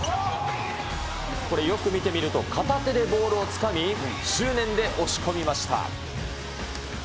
これ、よく見てみると片手でボールをつかみ、執念で押し込みました。